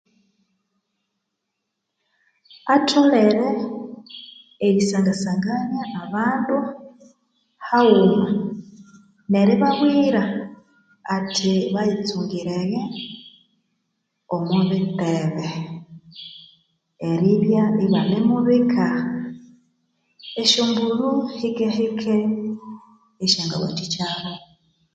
Atholere erisangasangania abandu haghuma neribabwira ati bayitsungireghe omwa bittebe eribya ibanemubika esyombulho hike hike